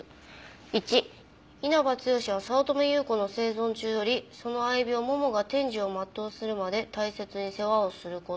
「１稲葉剛は早乙女由子の生存中よりその愛猫ももが天寿を全うするまで大切に世話をすること」